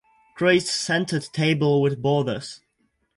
Creates centered table with borders